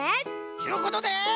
ちゅうことで！